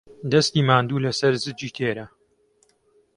دەستی ماندوو لەسەر زگی تێرە.